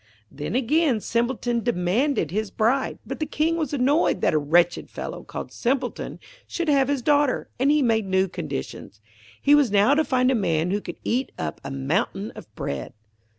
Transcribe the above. Then again Simpleton demanded his bride. But the King was annoyed that a wretched fellow called 'Simpleton' should have his daughter, and he made new conditions. He was now to find a man who could eat up a mountain of bread.